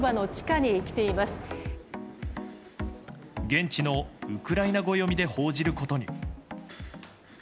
現地のウクライナ語読みで報じることに。